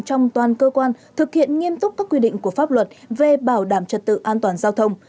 trong toàn cơ quan thực hiện nghiêm túc các quy định của pháp luật về bảo đảm trật tự an toàn giao thông